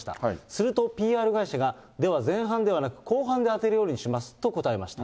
すると、ＰＲ会社が、では前半ではなく、後半で当てるようにしますと答えました。